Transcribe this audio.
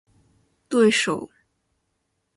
对手